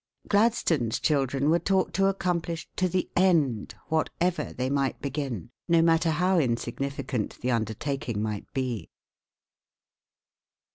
Gladstone's children were taught to accomplish to the end whatever they might begin, no matter how insignificant the undertaking might be.